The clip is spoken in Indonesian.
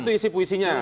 itu isi puisinya